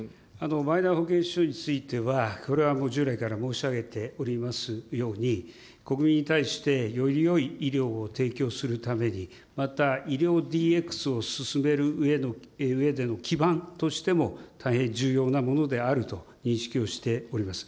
マイナ保険証については、これは従来から申し上げておりますように、国民に対してよりよい医療を提供するために、また、医療ＤＸを進めるうえでの基盤としても、大変重要なものであると認識をしております。